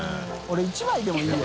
１枚でもいいよ。